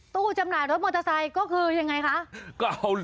จำหน่ายรถมอเตอร์ไซค์ก็คือยังไงคะ